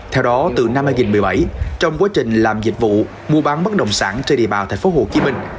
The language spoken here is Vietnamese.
theo đó từ năm hai nghìn một mươi bảy trong quá trình làm dịch vụ mua bán bất đồng sản trên địa bàn thành phố hồ chí minh